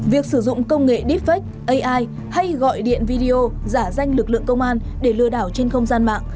việc sử dụng công nghệ deepfake ai hay gọi điện video giả danh lực lượng công an để lừa đảo trên không gian mạng